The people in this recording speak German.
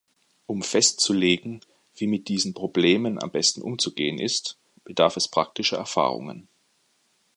Um festzulegen, wie mit diesen Problemen am besten umzugehen ist, bedarf es praktischer Erfahrungen.